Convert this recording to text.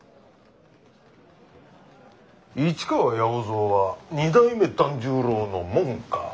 市川八百蔵は二代目團十郎の門下。